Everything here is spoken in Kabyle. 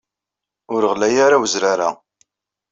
Ur ɣlay ara wezrar-a.